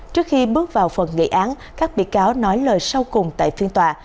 trước khi bước vào phần nghị án các bị cáo nói lời sau cùng tại phiên tòa